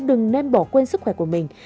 đừng nên bỏ quên sức khỏe của mình